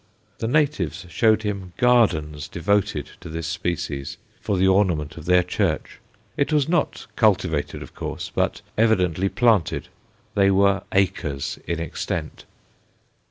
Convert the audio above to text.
The natives showed him "gardens" devoted to this species, for the ornament of their church; it was not cultivated, of course, but evidently planted. They were acres in extent.